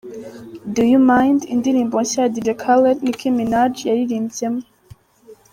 Do You Mind, indirimbo nshya ya Dj Khaled Nicki Minaj yaririmbyemo.